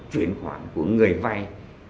chuyển khoản của người vay